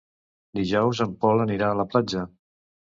Dijous en Pol anirà a la platja.